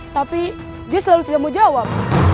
tapi dia selalu tidak mau jawab